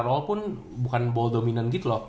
role pun bukan ball dominant gitu loh